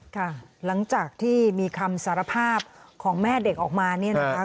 ค่ะหลังจากที่มีคำสารภาพของแม่เด็กออกมาเนี่ยนะคะ